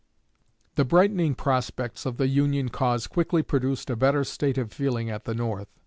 The brightening prospects of the Union cause quickly produced a better state of feeling at the North.